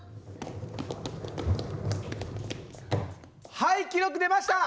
はい記録出ました！